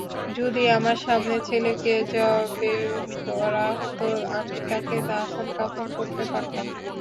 যদি আমার সামনে ছেলেকে যবেহ করা হত, আমি তাকে দাফন-কাফন করতে পারতাম।